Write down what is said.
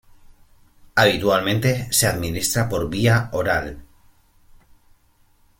Habitualmente se administra por vía oral.